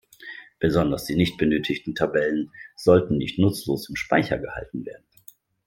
Besonders die nicht benötigten Tabellen sollten nicht nutzlos im Speicher gehalten werden.